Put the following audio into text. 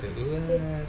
seperti selai stroberi